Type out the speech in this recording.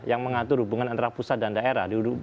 yang mengatur hubungan antara pusat dan daerah